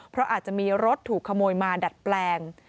เพราะอาจจะมีรถถูกขโมยมาดัดแปลง